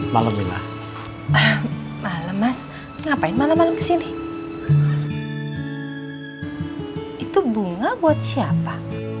malam lima malam mas ngapain malam malam kesini itu bunga buat siapa